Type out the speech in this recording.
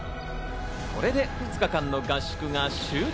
これで２日間の合宿が終了。